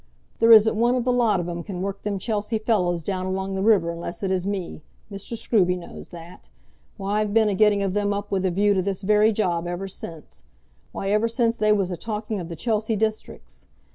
There isn't one of the lot of 'em can work them Chelsea fellows down along the river unless it is me. Mr. Scruby knows that. Why I've been a getting of them up with a view to this very job ever since; why ever since they was a talking of the Chelsea districts.